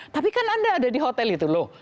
tapi kan anda ada di hotel itu loh